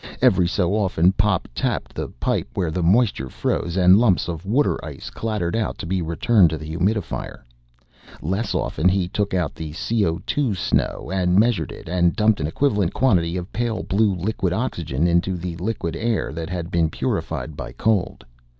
Every so often Pop tapped the pipe where the moisture froze, and lumps of water ice clattered out to be returned to the humidifier. Less often he took out the CO snow, and measured it, and dumped an equivalent quantity of pale blue liquid oxygen into the liquid air that had been purified by cold.